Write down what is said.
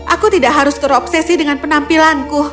aku tidak harus terobsesi dengan penampilanku